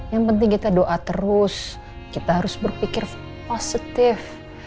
yang penting kita doa terus kita harus berpikir positif